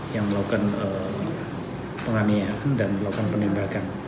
yang melakukan penganiayaan dan melakukan penembakan